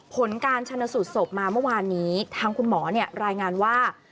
ผลการชนสูตรศพมาเมื่อวานนี้ทางคุณหมอรายงานว่า